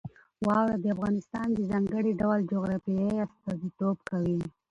واوره د افغانستان د ځانګړي ډول جغرافیې استازیتوب کوي.